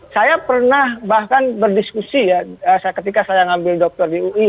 saya pernah bahkan berdiskusi ya ketika saya ngambil dokter di ui